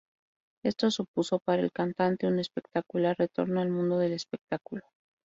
Esto supuso para el cantante un espectacular retorno al mundo del espectáculo.